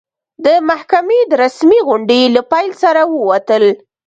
د محکمې د رسمي غونډې له پیل سره ووتل.